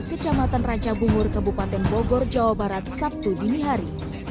kecamatan ranca bungur kabupaten bogor jawa barat sabtu dini hari